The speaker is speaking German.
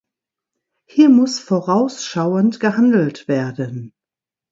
Hier muss vorausschauend gehandelt werden.